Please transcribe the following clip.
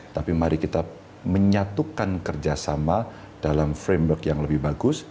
tapi mari kita menyatukan kerjasama dalam framework yang lebih bagus